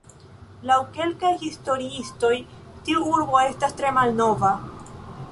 Laŭ kelkaj historiistoj tiu urbo estas tre malnova.